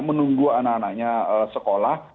menunggu anak anaknya sekolah